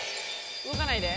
動かないで。